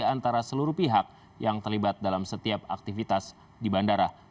antara seluruh pihak yang terlibat dalam setiap aktivitas di bandara